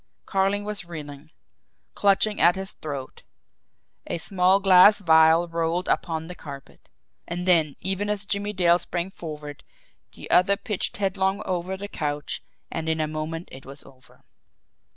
Carling was reeling, clutching at his throat a small glass vial rolled upon the carpet. And then, even as Jimmie Dale sprang forward, the other pitched head long over the couch and in a moment it was over.